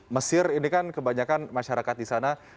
mesir ini kan kebanyakan masyarakat di sana